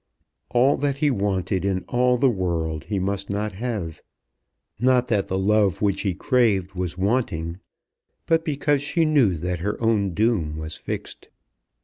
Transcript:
All that he wanted in all the world he must not have, not that the love which he craved was wanting, but because she knew that her own doom was fixed.